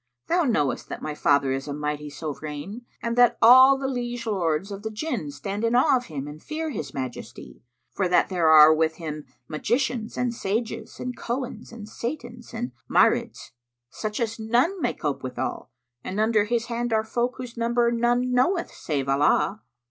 Thou knowest that my father is a mighty Sovran and that all the liege lords of the Jinn stand in awe of him and fear his majesty: for that there are with him magicians and sages and Cohens and Satans and Marids, such as none may cope withal, and under his hand are folk whose number none knoweth save Allah.